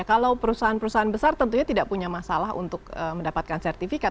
kalau perusahaan perusahaan besar tentunya tidak punya masalah untuk mendapatkan sertifikat